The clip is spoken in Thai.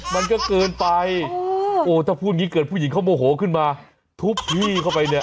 มันก็เกินไปโอ้ถ้าพูดอย่างงี้เกิดผู้หญิงเขาโมโหขึ้นมาทุบพี่เข้าไปเนี่ย